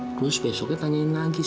terus besoknya tanyain lagi sita nya mana